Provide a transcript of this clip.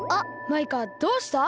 マイカどうした？